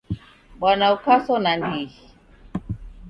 Bwana ukaso nandighi!